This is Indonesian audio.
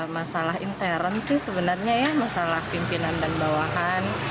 masalah intern sih sebenarnya ya masalah pimpinan dan bawahan